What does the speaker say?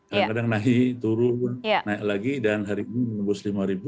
kadang kadang naik turun naik lagi dan hari ini menembus lima ribu